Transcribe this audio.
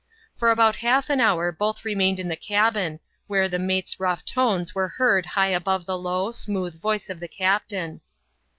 For about half an hour both remained in the cabin, where the mate's rough tones were heard high above the low, smooth voice of the captain.